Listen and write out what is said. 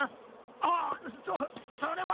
ああっそそれは。